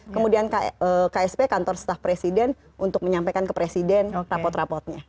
kemudian ksp kantor staf presiden untuk menyampaikan ke presiden rapot rapotnya